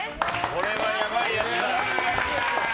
これはやばいやつだ！